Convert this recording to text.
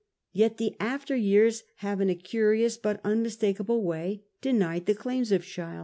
Yet the after years have in a curious but unmistak able way denied the claims of Sheil.